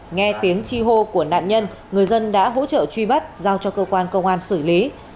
nghe tiếng chi hô của nạn nhân người dân đã hỗ trợ truy bắt giao cho cơ quan công an xử lý